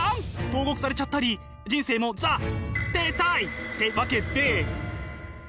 投獄されちゃったり人生もザ停滞！ってわけで。